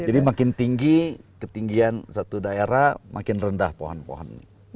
jadi makin tinggi ketinggian satu daerah makin rendah pohon pohon